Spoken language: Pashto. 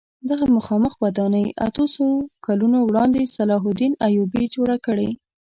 دغه مخامخ ودانۍ اتو سوو کلونو وړاندې صلاح الدین ایوبي جوړه کړې.